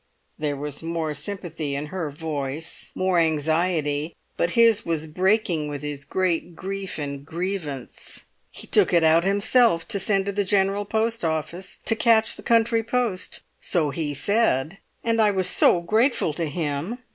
There was more sympathy in her voice, more anxiety; but his was breaking with his great grief and grievance. "He took it out himself, to send it to the General Post Office to catch the country post. So he said; and I was so grateful to him!